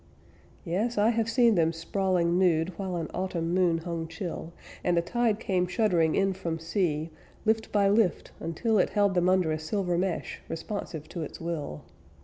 Yes, I have seen them sprawling nude While an Autumn moon hung chill, And the tide came shuddering in from sea, Lift by lift, until It held them under a silver mesh, Responsive to its will.